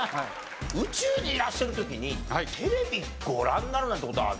宇宙にいらっしゃる時にテレビご覧になるなんて事はないでしょ？